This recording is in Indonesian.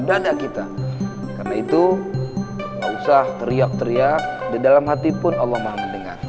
dana kita karena itu gak usah teriak teriak di dalam hati pun allah maha mendengar